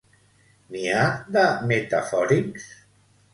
N'hi ha de metafòrics?